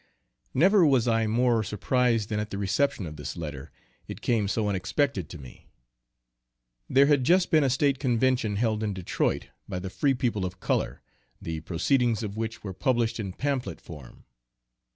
Never was I more surprised than at the reception of this letter, it came so unexpected to me. There had just been a State Convention held in Detroit, by the free people of color, the proceedings of which were published in pamphlet form.